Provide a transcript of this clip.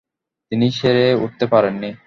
তিনি সেরে উঠতে পারেননি।